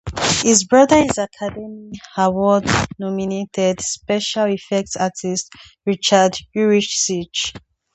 His brother is Academy Award-nominated special effects artist Richard Yuricich.